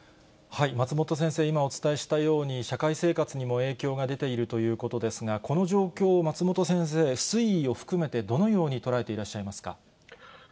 松本先生、今お伝えしたように、社会生活にも影響が出ているということですが、この状況、松本先生、推移を含めて、どのように捉えていらっしゃいますか。